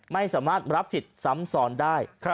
ไม่สามารถรับสิทธิ์ซ้ำซ้อนได้